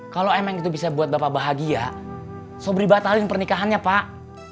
kalau emang itu bisa buat bapak bahagia so beri batalin pernikahannya pak